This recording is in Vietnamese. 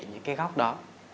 những cái góc đó